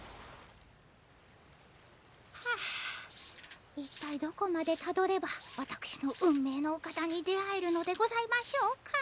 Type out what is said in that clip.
はあ一体どこまでたどればわたくしの運命のお方に出会えるのでございましょうか。